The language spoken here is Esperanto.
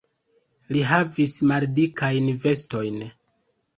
Li havis maldikajn vestojn.